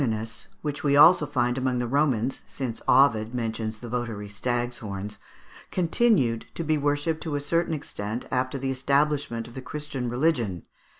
] The Gallic Cernunnos, which we also find among the Romans, since Ovid mentions the votary stags' horns, continued to be worshipped to a certain extent after the establishment of the Christian religion.